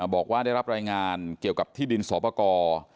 บอกว่าได้รับรายงานเกี่ยวกับที่ดินสอปกร